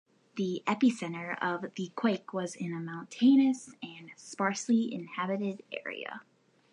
The epicenter of the quake was in a mountainous and sparsely inhabited area.